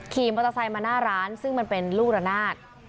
ขี่มอเตอร์ไซค์มาหน้าร้านซึ่งมันเป็นลูกระนาด